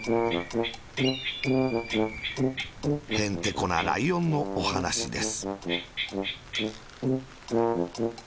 へんてこなライオンのおはなしです。